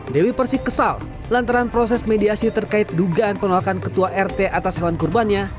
dewi persik kesal lantaran proses mediasi terkait dugaan penolakan ketua rt atas hewan kurbannya